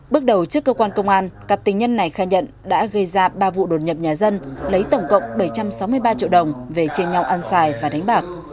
bước đầu trước cơ quan công an cặp tình nhân này khai nhận đã gây ra ba vụ đột nhập nhà dân lấy tổng cộng bảy trăm sáu mươi ba triệu đồng về chia nhau ăn xài và đánh bạc